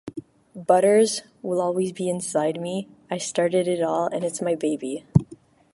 'Butters' will always be inside me, I started it all and it's my baby.